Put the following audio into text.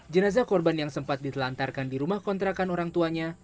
jenazah korban yang sempat ditelantarkan di rumah kontrakan orang tuanya